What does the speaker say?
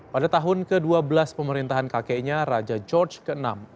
pada tahun ke dua belas pemerintahan kakeknya raja george vi